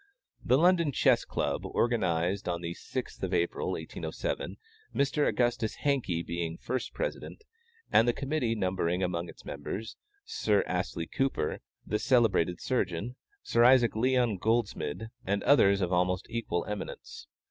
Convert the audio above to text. The London Chess Club organized on the 6th of April, 1807, Mr. Augustus Hankey being first President, and the committee numbering among its members Sir Astley Cooper, the celebrated surgeon, Sir Isaac Lyon Goldsmid, and others of almost equal eminence.